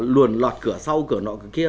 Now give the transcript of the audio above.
luồn lọt cửa sau cửa nọ kia